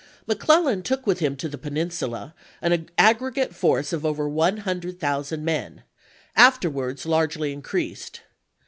Mc Clellan took with him to the Peninsula an aggi e gate force of over 100,000 men, afterwards largely increased.